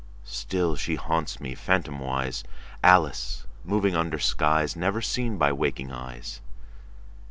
Still she haunts me, phantomwise, Alice moving under skies Never seen by waking eyes.